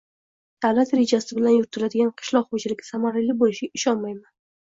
«Davlat rejasi bilan yuritiladigan qishloq xo‘jaligi samarali bo‘lishiga ishonmayman»